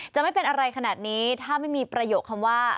จะไม่เป็นอะไรขนาดนี้ถ้าไม่มีประโยคคำว่า